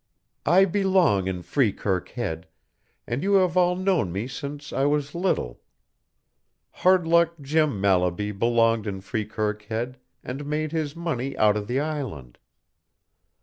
"I belong in Freekirk Head, and you have all known me since I was little. Hard luck Jim Mallaby belonged in Freekirk Head and made his money out of the island.